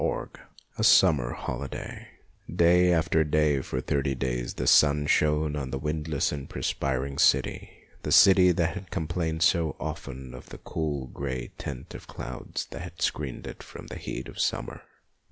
XXIX A SUMMER HOLIDAY DAY after day for thirty days the sun shone on the windless and perspiring city, the city that had complained so often of the cool, grey tent of clouds that had screened it from the heat of summer.